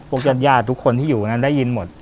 พวกยอดย่าทุกคนที่อยู่นั้นได้ยินหมด